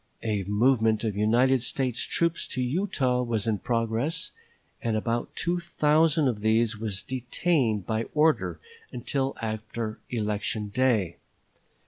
A movement of United States troops to Utah was in progress, and about two thousand of these were detained by order until after election day.